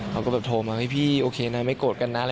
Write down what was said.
เขาก็แบบโทรมาเฮ้ยพี่โอเคนะไม่โกรธกันนะ